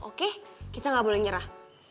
oke kita gak boleh nyerah